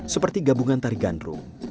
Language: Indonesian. seperti gabungan tari gandrum